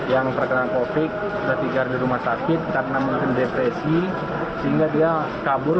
yang terkena kovid sembilan belas dan tiga rumah sakit karena menghadapi depresi hingga dia kabur